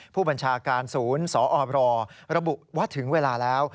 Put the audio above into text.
ผู้บัญชาการศูนย์สอบรระบุว่าถึงเวลาแล้ว